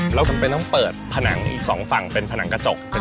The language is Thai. เราจำเป็นต้องเปิดผนังอีก๒ฝั่งเป็นผนังกระจก